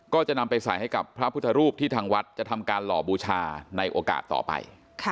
ก็จะนำไปใส่ให้กับพระพุทธรูปที่ทางวัดจะทำการหล่อบูชาในโอกาสต่อไป